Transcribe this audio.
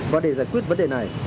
và để giải quyết vấn đề này